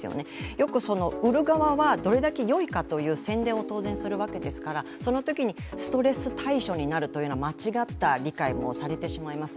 よく売る側はどれだけよいかという宣伝を当然するわけですから、そのときにストレス対処になるという間違った理解もされてしまいます。